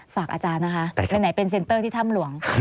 ฝากอาจารย์นะคะไหนเป็นเซ็นเตอร์ที่ถ้ำหลวง